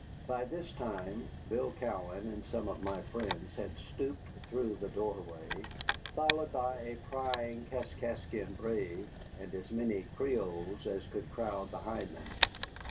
By this time Bill Cowan and some of my friends had stooped through the doorway, followed by a prying Kaskaskian brave and as many Creoles as could crowd behind them.